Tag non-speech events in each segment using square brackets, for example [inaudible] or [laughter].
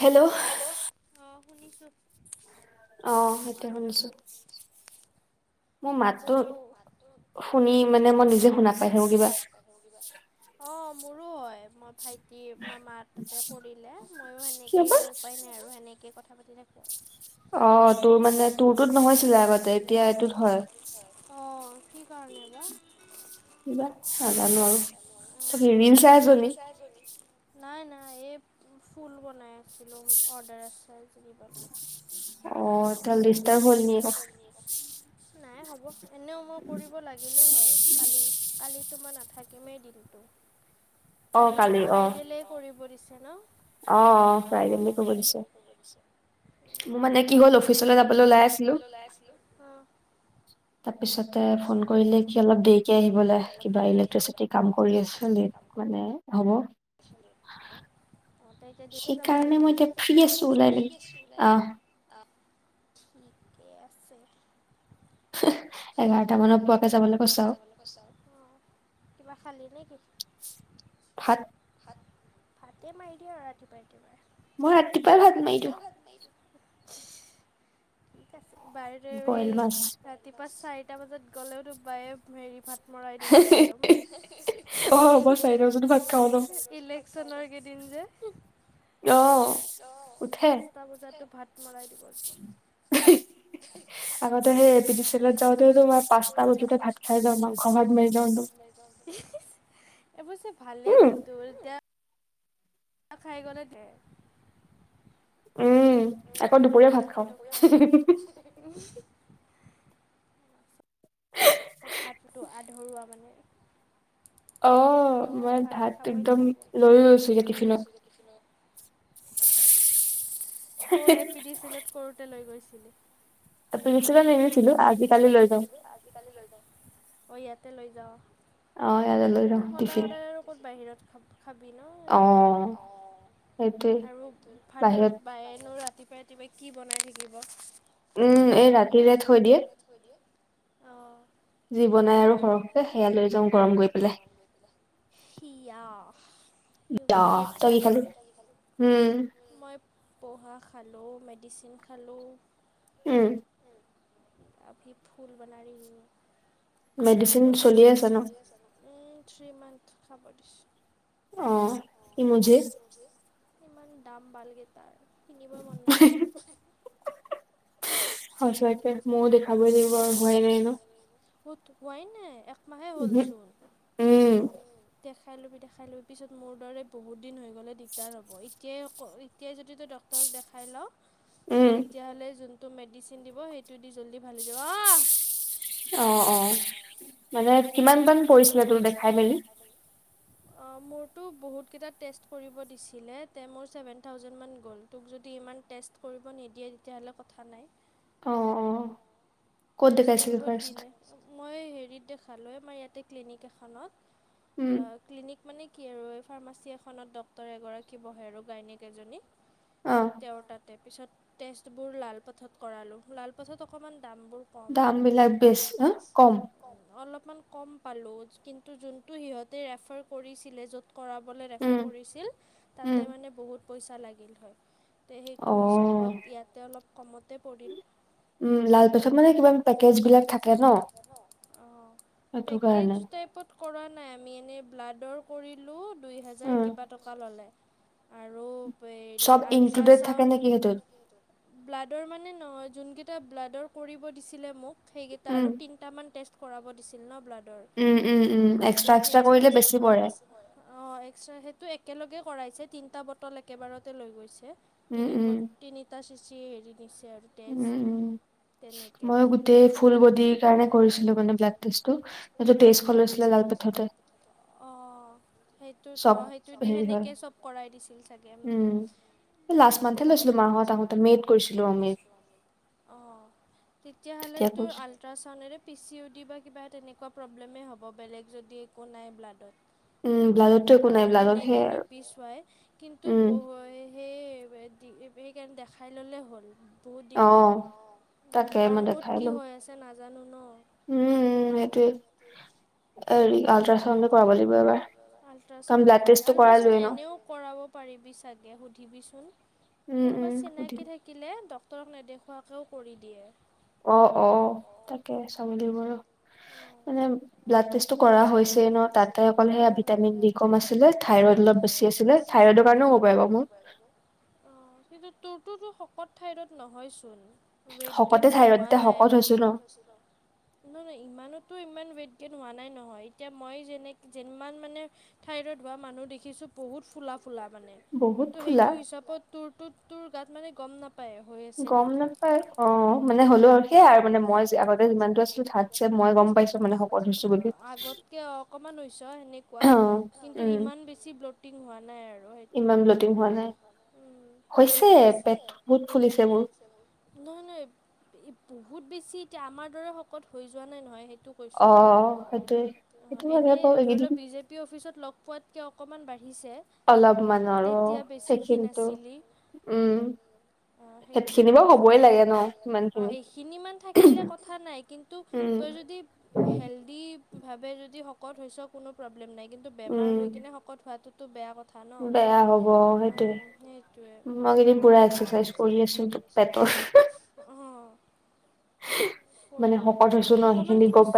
Hello hello অ শুনিছোঁ। অ এতিয়া শুনিছোঁ মোৰ মাতটো শুনি মানে মই নিজে শুনা পাই থাকোঁ কিবা। মোৰ কিবা অ মোৰো হয় মই ভাইটি মামা তাতে কৰিলে ময়ো সেনেকে উপাই নাই আৰু সেনেকে কথা পাতি থাকোঁ অ তোৰ মানে তোৰটোত নহৈছিলে আগতে এতিয়া এইটোত হয় অ কি কাৰণে বা কিবা নাজানোঁ আৰু। অ [unintelligible] নাই নাই এই ফুল বনাই আছিলো অৰ্ডাৰ আছে আজি দিবলে। অ তেতিয়াহলে ডিষ্টাৰ্ব হ'ল নি ক নাই হ'ব এনেও মই কৰিব লাগ লাগিলে হয় কালি কালিটো মই নাথাকিমে দিনটো। কালিলে ফ্ৰাইডেলে কৰিব দিছে ন অ অ ফ্ৰাইডেলে কৰিব দিছে। মোৰ মানে কি হ'ল অফিচলে যাবলে ওলাই আছিলো ওলাই আছিলোঁ। অহ। তাৰপিছতে ফোন কৰিলে কি অলপ দেৰিকে আহিবলে কিবা ইলেক্ট্ৰিচিটিৰ কাম কৰি আছিল লেট মানে হ'ব। [unintelligible] অ তই এতিয়া দেৰিকে যাব লাগিব মই এতিয়া ফ্ৰি আছোঁ উলাই মেলি অহ ঠিকেই আছে। হ এঘাৰটা মানত পোৱাকে যাবলৈ কৈছে আও কৈছে অহ কিবা খালি নে কি ভাত। ভাত ভাতে মাৰি দিওঁ আৰু ৰাতিপুৱাই ৰাতিপুৱাই। মই ৰাতিপুৱাই ভাত মাৰি দিওঁ। ঠিক আছে বাৰু তই সেই ৰাত ৰাতিপুৱা চাৰিটা বজাত গ'লেওতো বায়ে হেৰি ভাত বনাই দিব একদম হি হি হে ই যদি ভাত খাওঁ পিছে ইলেকচনৰ কেইদিন যে- অ পাঁচটা বজাতো ভাত বনাই দিব একদম। আগতে সেই এপিডিচিএলত যাওঁতেওতো, মই পাঁচটা বজাতে ভাক খাই যাওঁ মাংস-ভাত মাৰি লও একদম এ হে অৱশ্যে ভালেই কিন্তু এতিয়া খাই গ'লে দে উম আকৌ দুপৰীয়া ভাত খাওঁ হি হি, হি হে হে হুম মোৰ ভাতটো আধৰুৱা মানে। অহ, ভাত খাবই লাগিব। অঁহ', এপিডিচিএলত কৰোঁতে লৈ গৈছিলোঁ। [unintelligible] অহ', ইয়াতে লৈ যাওঁ। উম, সদায়- সদায় আৰু ক'ত বাহিৰত খাব পাম। খাবি ন দিগদাৰ। অহ, আৰু ভাতত বাৰে ন ৰাতিপুৱাই- কেতিয়াবা কি বনাই থাকিব তেনেকুৱাও হয়। অঁহ। যি বনাই আৰু সৰহকে, সেয়া লৈ যাওঁ গৰম কৈ পেলাই। সিয় বি আচ্ছা হে। উম। মই পোহা খালোঁ, মেডিচিন খালোঁ। উম। আৰু কি ফুল বনা ৰি হ [unintelligible] মেডিচিন চলি আছে ন? উম থ্ৰী মান্থ খাব দিছোঁ। অঁহ', ই মুজে ইমান দাম বালগে তাৰ। কিনিব মন নাযায়। সঁচাকে মোৰ দেখাবই লাগিব হোৱাই নাই ন। ত' হোৱাইনে? একমাহে হ'লচোন। দেখাই ল'বি দেখাই ল'বি, পিছত মোৰ দৰে বহুত দিন হৈ গ'লে দিগদাৰ হ'ব এতিয়াই অক এতিয়াই যদি তই ড তক দেখাই লওঁ। তেতিয়া হ'লে যোনটো মেডিচিন দিব সেইটো দি জলদি ভাল হৈ যাব। অ', - অ', মানে কিমান মান কৰিছিলে তোৰ দেখাই মেলি? অঁ', মোৰতো বহুতকেইটা টেষ্ট কৰিব দিছিলে, তে মোৰ ছেভেন থাউজেণ্ডমান গ'ল। তোক যদি ইমান টেষ্ট কৰিব নিদিয়ে তেতিয়া হ'লে কথা নাই। অ', - অ', ক'ত দেখাইছিল ফাৰষ্ট? মই হেৰিত দেখালোঁ আমাৰ ইয়াতে ক্লিনিক এখনত। ক্লিনিক মানে কি আৰু এই ফাৰ্মাচী এখনত ডক্তৰ এগৰাকী বহে আৰু গায়নীক এজনী। তেওঁ তাতে পিছত, তেষ্টবোৰ লালপথত কৰালো লাল পথত অকণমান দামবোৰ দাম বিলাক বেছি, হা! কম। অলপমান কম পালোঁ, কিন্তু যোনটো সিহঁতে ৰেফাৰ কৰিছিলে য'ত কৰাবলৈ ৰেফাৰ কৰিছিল, তাতে মানে বহুত পইচা লাগিল হয়। সেইটো হিচাপত ইয়াতে অলপ কমতে পৰিল। উম লাল পেথত মানে কিবা পেকেজ বিলাক থাকে ন? অঁহ', পেকেজ টাইপত কৰা নাই আমি এনেই ব্লাডৰ কৰিলোঁ। দুই হেজাৰ কিবা টকা ল'লে। হেৰি আলট্ৰাছাউণ্। ব্লাডৰ মানে নহ যোনকেইটা ব্লাডৰ কৰিব দিছিলে মোক, সেইকেইটা আৰু তিনটামান কৰাব দিছিল ন ব্লাডৰ। উম, উম, উম, এক্সট্ৰা-এক্সট্ৰা কৰিলে বেছি পৰে। অ', এক্স সেইটো একেলগে কৰাইছে তিনটা বটল একেবাৰতে লৈ গৈছে। তিনিব-তিনিটা চিচি হেৰি দিছে আৰু। উম, উম, ময়ো গোটেই ফুল বডিৰ কাৰণে কৰি [unintelligible] ছিলো মানে ব্লাট তেষ্টটো তেজ [unintelligible] লৈছিলে [unintelligible] অ', সেইটোত অ', সেইটো দি সেনেকে চব কৰাই দিছিল চাগে উম। লাষ্ট মান্থে লৈছিলো মাহঁত আহোঁতে মে'ত কৰিছিলো অ', মে'ত। অ' তেতিয়াহ'লে তোৰ আল আল্ট্ৰাছাউণ্ডৰে পি চি ইউ ডি বা কিবা তেনেকুৱা প্ৰব্লেমেই হ'ব, বেলেগ যদি একো নাই ব্লাডত। কাৰণ এনেইতো নিপিছুৱাই কিন্তু ব এ সেই সেইকাৰণে দেখাই ল'লেই হ'ল। বহুত দিগদাৰ কাৰণ ক'ত কি হৈ আছে নাজানো ন? উম, সেইটোৱে। আল্ট্ৰাচাউন্ডটো [unintelligible] আল্ট্ৰাচাউণ্ডও কৰায় আল্ট্ৰাচাউন্ড এনেও কৰাব পাৰিবি চাগে সুধিবি চোন কোনোবা চিনাকি থা থাকিলে ডক্তৰক নেদেখোৱাকেও কৰি দিয়ে। অ', অ', তাকে চাব লাগিব ৰ' মানে ব্লাড টেষ্টটো কৰা হৈছে ন' তাতে অকল সেয়া ভিটামিন ডি কম আছিলে থাইৰইড অলপ বেছি আছিলে গছিলে থাইৰডৰ কাৰণেও হব পাৰে বাৰু মোৰ। অ', কিন্তু তোৰটোতো শকত থাইৰড নহয় চোন। ওৱেট গেইনটো হোৱা নাই, শকত হৈছো ন', ইমান ইমানোতো ইমান ওৱেট গেইন নোৱা নাই নহয় এতিয়া মই যেনেক যিমান মানে থাইৰইড হোৱা মানুহ দেখিছো বহুত ফুলা ফুলা মানে। কিন্তু সেইটো হিচাপত তোৰটোত তোৰ গাত মানে গম নাপ গম নাপাই অ', মানে হ'লও আৰু সেই আৰু মানে মই আগতে যিমানটো আছিলো [unintelligible] মই গ'ম পাইছো মানে শকত অ', আগতকে অকণমান হৈছ সেনেকুৱা কিন্তু ইমান বেছি ব্ল টিং হোৱা নাই আৰু। আৰু সেইটোৱে কথা উম, হৈছে [unintelligible] ফুলিছে মোৰ। নহয় নহয় বহুত বেছি এতিয়া আমাৰ দৰে শকত হৈ যোৱা নাই নহয় সেইটো কৈছোঁ মই। অ', সেইটো সেইটো [unintelligible] এই কেইদিন পি অফিচত লগ পোৱাতকে অকণমান বাঢ়িছে। তেতিয়া বেছি খীন আছিলি। অ', সেইটোয়ে অ', এইখিনি ইমান থাকিলে কথা নাই কিন্তু তু তই যদি হেল্ডিভাৱে যদি শকত হৈছ কোনো প্ৰব্লেম নাই কিন্তু বেমাৰ হৈ কিনে শকত হোৱাটো টো বেয়া কথা ন' সেইটোৱে। পেতৰ অ', কৰি অকণমান খোজ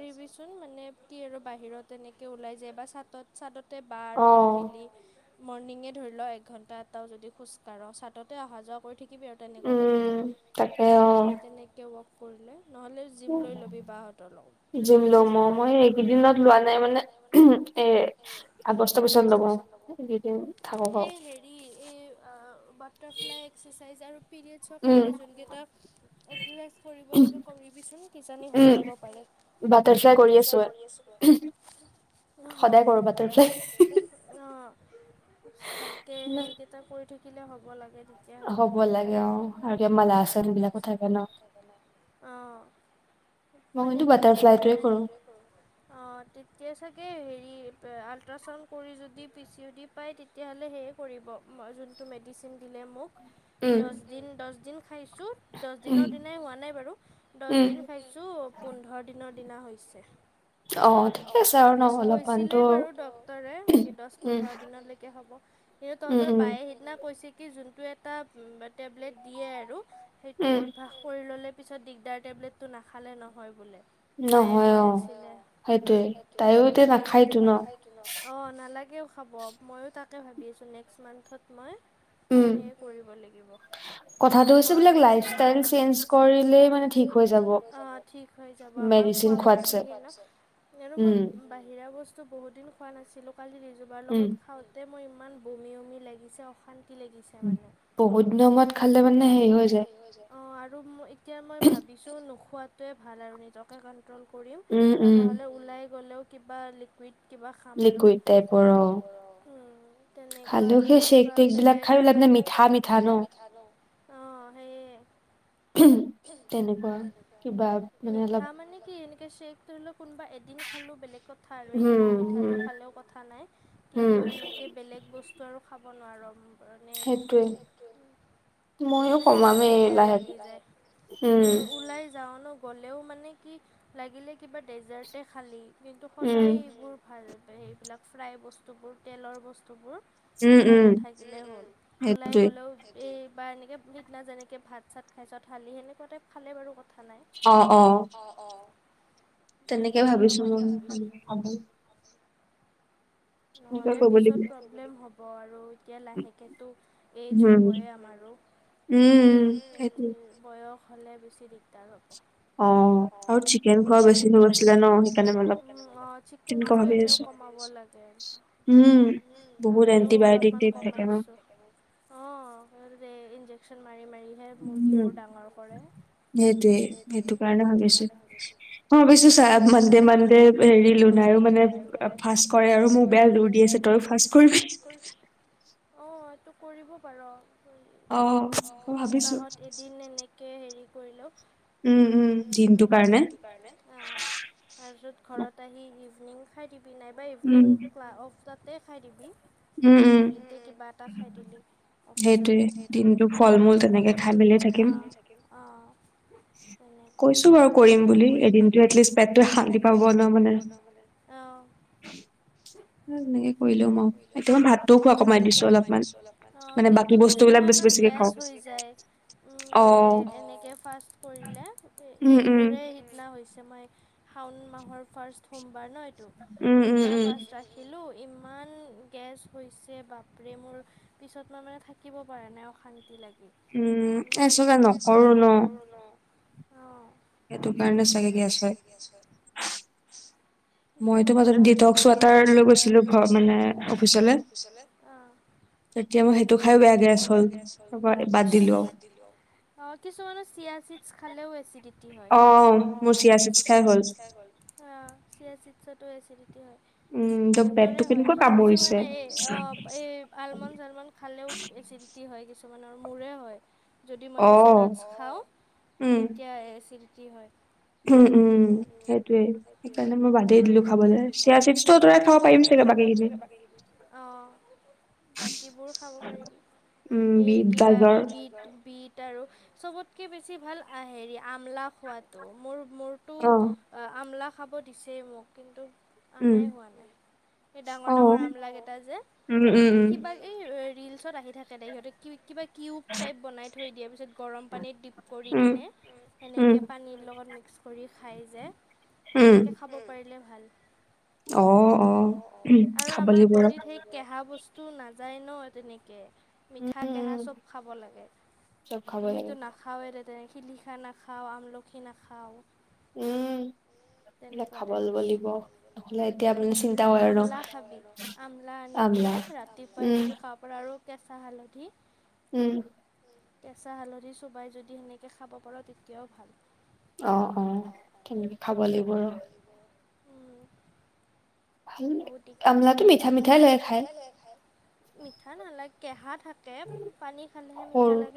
কাহিবি চোন মানে কি আৰু বাহিৰত এনেকে ওলাই যায় বা চাতত চাডতে বা আৰু তই মিলি মৰ্ণিঙে ধৰি লও এঘণ্টা এটাও যদি খোজ কাঢ় ছাটতে অহা যোৱা কৰি থাকি কিবি আৰু তেনেকুৱা টাইপকে তেনেকে ৱক কৰিলে নহলে জিম লৈ ল'বি বাহঁতৰ লগত। জিম ল'ম মই এইকেইদিনত লোৱা নাই মানে এ আগষ্টৰ পিছত ল'ব, এইদিন থাকক আৰু। ই এই আ, বাটাৰফ্লাই এক্সাৰচাইজ আৰু পিৰিড ছৰ কাৰণে যোনকেইটা এক্সাৰচাইজ কৰিব লাগে কৰিবিচোন কিজানি হৈ যাব পাৰে। বাটাৰফ্লাই কৰি আছোঁ মই [unintelligible] সদায় কৰোঁ [unintelligible] অ', ভালকৈ সেৰিকেইটা কৰি থাকিলে হ'ব লাগে। এতিয়া হলে অ' মই কিন্তু বতাৰ বাটাৰফ্লাই টো [inaudible] অ', তেতিয়া চাগে হেৰি, আলট্ৰাচাউণ্ড কৰি যদি পি চি অ' দি পায় তেতিয়াহ'লে হেৰি কৰিব, মই যোনটো মেডিচিন দিলে মোক দহ দিন দহ দিন খাইছো, দহ দিনৰ দিনাই হোৱা নাই বাৰু দহ দিন খাইছোঁ খাইছোঁ পোন্ধৰ দিনৰ দিনা হৈছে। অ', ঠিকে আছে। কৈছিলেই বাৰু ডক্তৰে, দহ পোন্ধৰ দিনলৈকে হ'ব। সেই তহঁতৰ বায়ে সেইদিনা কৈছিল জোনটো এটা তেৱেলত দিয়ে আৰু, সেইটো অইভাখ কৰি ললে পিছত দিগদাৰ টেবলেটটো নাখালে নহয় বোলে। বায়ে কৈ আছিল, নাখায় তো ন' অ' নালাগেও খাব, ময়ো তাকে ভাবি আছোঁ নেক্সট মান্থত মই সেয়ে কৰিব লাগিব। নোখোৱাকে, লাইফ ষ্টাইল চেঞ্জ কৰিলে মানে ঠিক হৈ যাব। আমাৰ খোৱা পাতি সেই নহ? আৰু মই বাহিৰা বস্তু বহুতদিন খোৱা নাছিলোঁ, কালি ৰিজো বাৰ লগত। খাওঁতে মোৰ ইমান বমি বমি লাগিছে, অশান্তি লাগিছে। বহুত দিনৰ মূৰত খালে মানে হেৰি হৈ যায় অ', আৰু এতিয়া মই ভাবিছোঁ, নোখোৱাটোৱে ভাল আৰু নিজকে কন্ত্ৰ কণ্ট্ৰল কৰিম, লগা হ'লে ওলাই গ'লেও কিবা লিকুইড কিবা খাম আৰু, লিকোয়্যুইড টাইপৰ অ' তেনেকুৱা আৰু এনেকুৱা বেলেগ আৰু সেইবিলাক যে মিঠা, মিঠা ন' অ', সেই। তেনেকুৱা কিবা মানে অ' হা মানে কি এনেকৈ চেক ধৰি লওক কোনোব এদিন খালোঁ, বেলেগ কথা থাৰয়ডিন এদিন মিঠাটো খালেও কথা নাই, কিন্তু এনেকৈ বেলেগ বস্তু তো আৰু খাব নোৱাৰো, মানে সেইটোৱে বহুত গাটো বেয়া লাগি যায়, উম', ওলাই যাও ন' গ'লেও মানে কি লাগিলে কিবা ডেজাৰ্টে খালি, কিন্তু সদায় এইবোৰ ভাল সেইবিলাক ফ্ৰাই বস্তুবোৰ, তেলৰ বস্তুবোৰ খাই নাথাকিলে হ'ল ওলাই গলেওঁ এই বা এনেকৈ সিদিনা যেনেকৈ ভাত-চাত খাইছ, থালি সেনেকুৱা টাইপ খালে বাৰু কথা নাই। অ', অ',। অ', অ', তেনেকে কথা, তেনেকে ভাবিছো মই! আমি নহ'লে পিছত প্ৰব্লেম হ'ব আৰু এতিয়া লাহেকেতো এইজ হ'বই আমাৰো, উম', বয়স হ'লে বেছি দিগদাৰ হ'ব। অ', আৰু চিকেন খোৱা বেছি আছিলে ন'। চিকনটো এনেও কমাব লাগে। তে উম', বহুত এণ্টিবায়টিক টিৰিপ থাকে ন'। অ', ইনজেকচন মাৰি মাৰিহে মুৰ্গীবোৰ ডাঙৰ কৰে। সেইটোৱে, সেইটো কাৰনে ভাবিছোঁ। ভাবিছোঁ চা মান্দে, মান্দে হেৰি লোনাই ও মানে ফাস্ বেয়াই যোৰ দি আছে তই ও ফাষ্ট কৰবি, অ এইটো কৰিব পাৰ। অ, মই ভাবিছো। দিন এনেকে হেৰি কৰি লও উম, উম দিনটো কাৰণে নে, তাৰপিছত ঘৰত আহি ইভিনিং খাই দিবি নাই বা ইভিনিং বা অফ তাতে খাই দিবি হেৰিতে কিবা এটা খাই দিলি। অফিচটে, সেইটোৱে দিনটো ফল মূল তেনেকে খাই মেলি থাকিম। এনেকুৱা, কৈছো বাৰু কৰিম বুলি এদিনটোয়ে এটলিষ্টেট পেটতোয়ে শান্তি পাব নহ'লে তেনেকে কৰিলো মই এতিয়া ভাতটোও খোৱা কমাই দিছো অলপমান মানে বা তো কিছুমানৰ গেছ হৈ যায়, এনেকৈ ফাষ্ট কৰিলে। ই মোৰে সেদনা হৈছে মই, শাওণ মাহৰ ফাৰ্ষ্ট সোমবাৰ ন এইটো সেইদিনা ৰাখিলোঁ ইমান গেছ হৈছে বাপৰে মোৰ পিছত মই মানে থা থাকিব পৰা নাই অশান্তি লাগে। উম, আচলতে নকৰোঁ ন। সেই কাৰণে চাগে গেছ হয়, কিছুমানে পাৰে দস্ক ৱাটাৰ লৈ গৈছিলোঁ ঘৰ, মানে অফিচলে। এতিয়া মই সেইটো খাইও, বেয়া গেছ হ'ল। বাদিলো, অ, কিছুমানৰ চিয়া চিদচ খালেও এচি দি টি হয় অ মোৰ চিয়া চিডছ খাই হ'ল। অ চিয়া চিডছটো এচিটি হয়। বহুতৰে হয় কিছুমানে এই অ এই আলমণ্ড চালমণ্ড খালেও এছিডিটি‌ হয় কিছুমানৰ মোৰে হয়। যদি মই বেছি নাটছ খাওঁ তেতিয়া এচিডিটি হয়। উম উম সেইটোৱেই সেইকাৰণে মই বাদেই দিলোঁ খাবলে চিয়া‌ চিডছ চিয়া চিডছটো আঁতৰাই খাব পাৰিম চাগে বাকী‌খিনি অ বাকীবোৰ খাব পাৰিবা, এই কিবা বি বিট বিট আৰু চবতকে বেছি ভাল আ হেৰি আমলা খোৱাটো মোৰ মোৰ টো‌‌ আ আমলা খাব দিছেই মোক কিন্তু নাই হোৱা নাই এই ডাঙৰ ডাঙৰ আমলা‌কেইটা‌ যে সেই কিবা এই ৰিলচত আহি থাকে দে সিহঁতে কিউব কিবা কিউব টাইপ বনাই থৈ দিয়ে পিছত গৰম পানীত ডিপ কৰি কিনে। সেনেকে পানীৰ লগত মিক্স কৰি খাই যে, তেনেকে খাব পাৰিলে ভাল। অ অ খাব‌ লাগিব‌ ৰ। কেঁহা বস্তু নাযায় ন তেনেকে। মিঠা কেঁহা চব খাব লাগে, আমিতো নাখা নাখাওঁ তেনে শিলিখা নাখাওঁ, আমলখি নাখাওঁ। তেনেকুৱা‌ টাইপ হৈছে। নে এতিয়া ৰীল চীল। আমলা খাবি, আমলা আনি কিনে ৰাতিপুৱাই যদি খাব পৰা আৰু কেঁচা হালধি। উম! কেঁচা হালধি চোবাই যদি সেনেকে খাব পাৰ তেতিয়াও ভাল। অ, অ, তেনেকে খাব লাগিব, ৰহ। বহুত দিগদাৰ, আমলাটো মিঠা, মিঠাই লাগে খাই, মিঠা নালাগে কেঁহা থাকে। টে, পানী খালেহে মিঠা লাগে।